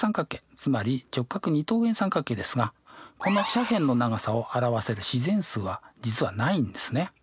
つまり直角二等辺三角形ですがこの斜辺の長さを表せる自然数は実はないんですね。